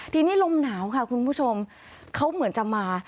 ทีนี้ลมหนาวค่ะคุณผู้ชมเขาเหมือนจะมา